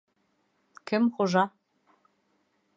Кем хужа?!